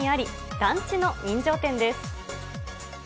団地の人情店です。